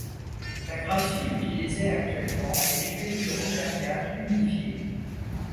La graphie utilisée actuellement est l'écriture auvergnate unifiée.